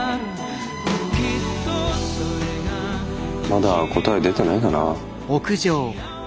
まだ答え出てないかな。